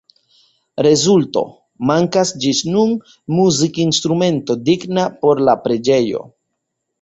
Rezulto: Mankas ĝis nun muzikinstrumento digna por la preĝejo.